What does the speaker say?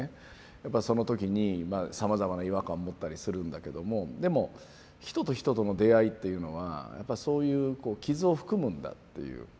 やっぱりその時にさまざまな違和感持ったりするんだけどもでも人と人との出会いっていうのはやっぱそういう傷を含むんだっていう。